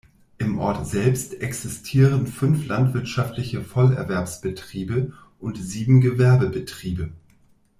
Im Ort selbst existieren fünf landwirtschaftliche Vollerwerbsbetriebe und sieben Gewerbebetriebe.